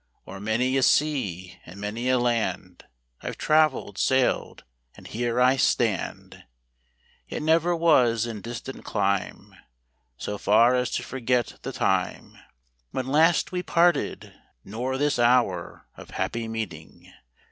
O'er many a sea, and many a land, I've travelled, sailed, and here I stand. Yet never was in distan||clime So far, as to forget the time When last we parted; nor this hour Of happy meeting.